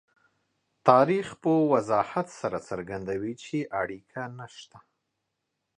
تاریخ په وضاحت سره څرګندوي چې اړیکه نشته.